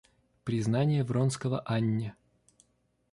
Признание Вронского Анне.